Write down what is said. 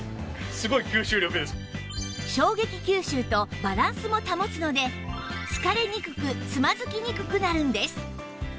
衝撃吸収とバランスも保つので疲れにくくつまずきにくくなるんです